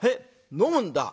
「飲むんだ」。